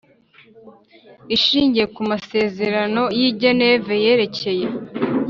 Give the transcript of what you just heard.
Ishingiye ku masezerano y i geneve yerekeye